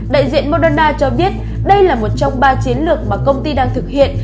đại diện moderna cho biết đây là một trong ba chiến lược mà công ty đang thực hiện